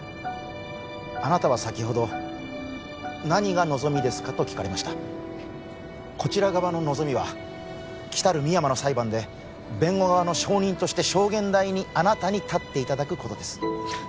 あなたは先ほど何が望みですか？と聞かれましたこちら側の望みはきたる深山の裁判で弁護側の証人として証言台にあなたに立っていただくことです